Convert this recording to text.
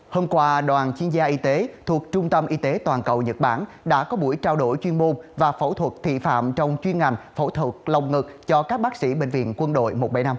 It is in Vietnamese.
hôm qua đoàn chuyên gia y tế thuộc trung tâm y tế toàn cầu nhật bản đã có buổi trao đổi chuyên môn và phẫu thuật thị phạm trong chuyên ngành phẫu thuật lồng ngực cho các bác sĩ bệnh viện quân đội một trăm bảy mươi năm